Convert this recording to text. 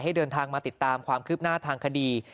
ได้ใดลอบติดตามความคืบหน้าทางคดี